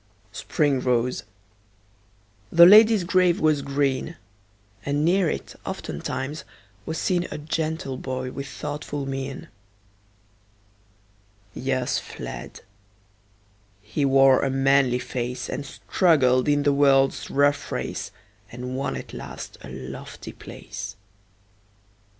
Spring rose; the lady's grave was green; And near it, oftentimes, was seen A gentle boy with thoughtful mien. Years fled; he wore a manly face, And struggled in the world's rough race, And won at last a lofty place.